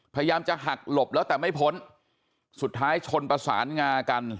พยายามจะหักหลบแล้วแต่ไม่พ้นสุดท้ายชนประสานงากัน